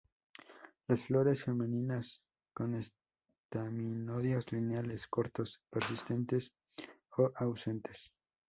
Las flores femeninas con estaminodios lineales, cortos, persistentes o ausentes.